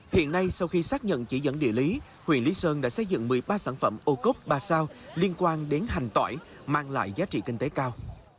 hiện nay sau khi xác nhận chỉ dẫn địa lý huyện lý sơn đã xây dựng một mươi ba sản phẩm ô cốt ba sao liên quan đến hành tỏi mang lại giá trị kinh tế cao